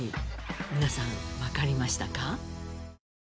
皆さんわかりましたか？